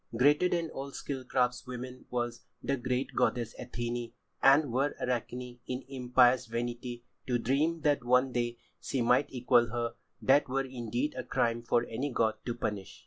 Greater than all skilled craftswomen was the great goddess Athené, and were Arachne, in impious vanity, to dream that one day she might equal her, that were indeed a crime for any god to punish.